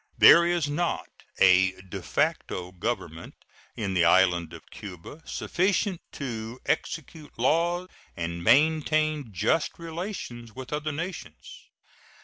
There is not a de facto government in the island of Cuba sufficient to execute law and maintain just relations with other nations.